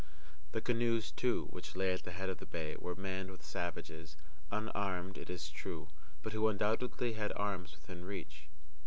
The canoes, too, which lay at the head of the bay, were manned with savages, unarmed, it is true, but who undoubtedly had arms within reach.